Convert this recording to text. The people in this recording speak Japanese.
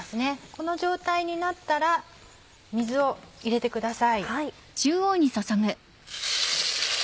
この状態になったら水を入れてください。